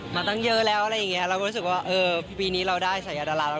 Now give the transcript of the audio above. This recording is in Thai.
มาตั้งเยอะแล้วเรารู้สึกว่าปีนี้เราได้สายอาดาราท